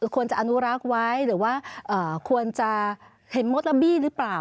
ควรจะอนุรักไว้หรือว่าอ่าควรจะเห็นหมดเรื่องหรือเปล่า